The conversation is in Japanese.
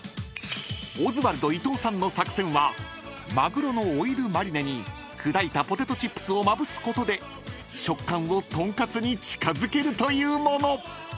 ［オズワルド伊藤さんの作戦はマグロのオイルマリネに砕いたポテトチップスをまぶすことで食感をトンカツに近づけるというもの］